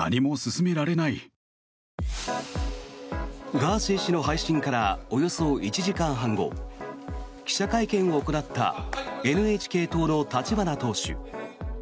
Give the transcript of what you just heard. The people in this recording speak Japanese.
ガーシー氏の配信からおよそ１時間半後記者会見を行ったＮＨＫ党の立花党首。